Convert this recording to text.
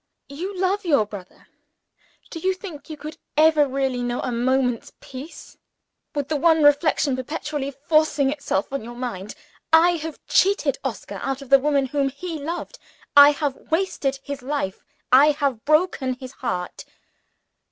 You love your brother. Do you think you could ever really know a moment's peace, with one reflection perpetually forcing itself on your mind? 'I have cheated Oscar out of the woman whom he loved; I have wasted his life; I have broken his heart.'